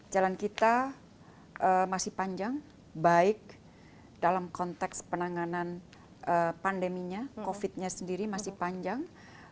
jalan kita masih panjang baik dalam konteks penanganan pandeminya covid nya sendiri masih panjang